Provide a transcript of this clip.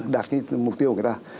đạt cái mục tiêu của người ta